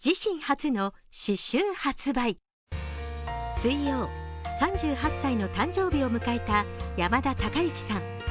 水曜、３８歳の誕生日を迎えた山田孝之さん。